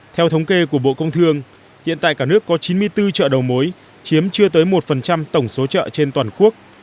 theo thống kê của bộ công thương hiện tại cả nước có chín mươi bốn chợ đầu mối chiếm chưa tới một tổng số chợ trên toàn quốc